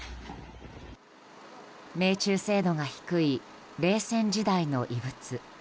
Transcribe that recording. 命中精度が低い冷戦時代の遺物。